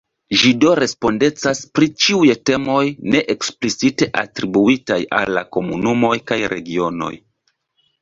Ĝi do respondecas pri ĉiuj temoj ne eksplicite atribuitaj al la komunumoj kaj regionoj.